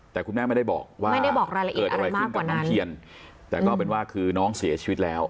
แต่คุณแม่ไม่ได้บอกว่าเกิดอะไรขึ้นกับคุณเทียนแต่ก็เป็นว่าคือน้องเสียชีวิตแล้ว